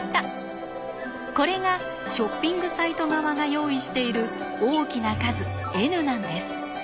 これがショッピングサイト側が用意している大きな数Ｎなんです。